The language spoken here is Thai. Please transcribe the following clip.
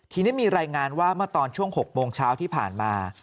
ทีนี้มีรายงานว่าเมื่อตอนช่วง๖โมงเช้าที่ผ่านมา